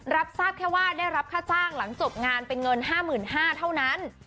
รับทราบแค่ว่าได้รับค่าจ้างหลังจบงานเป็นเงิน๕๕๐๐เท่านั้น